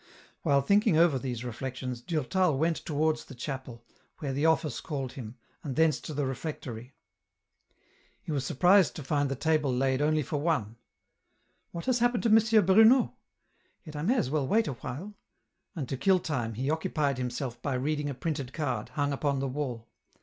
While thinking over these reflections, Durtal went towards the chapel, where the Office called him, and thence to the refectory. He was surprised to find the table laid only for one. " What has happened to M. Bruno ? Yet I may as well wait EN ROUTE. 233 a while," and to kill time, he occupied himself by reading a printed card, hung upon the wall.